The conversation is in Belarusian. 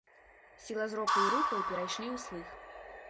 Сіла зроку і рухаў перайшлі ў слых.